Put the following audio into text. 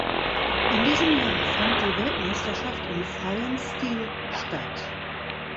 In diesem Jahr fand die Weltmeisterschaft im freien Stil statt.